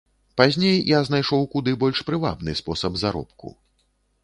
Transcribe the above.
Пазней я знайшоў куды больш прывабны спосаб заробку.